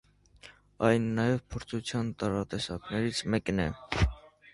Այն նաև փորձության տարատեսակներից մեկն է։